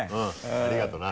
ありがとな。